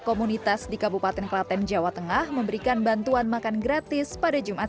komunitas di kabupaten klaten jawa tengah memberikan bantuan makan gratis pada jumat